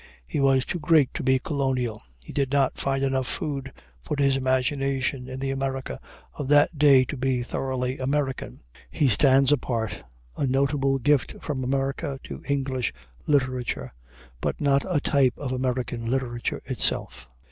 He was too great to be colonial; he did not find enough food for his imagination in the America of that day to be thoroughly American. He stands apart, a notable gift from America to English literature, but not a type of American literature itself.